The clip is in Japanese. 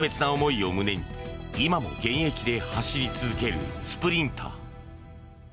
特別な思いを胸に今も現役で走り続けるスプリンター。